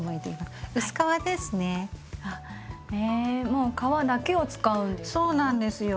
もう皮だけを使うんですか？